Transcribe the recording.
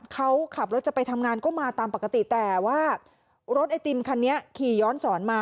เขาขับรถจะไปทำงานก็มาตามปกติแต่ว่ารถไอติมคันนี้ขี่ย้อนสอนมา